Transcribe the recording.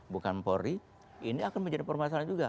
bukan polri ini akan menjadi permasalahan juga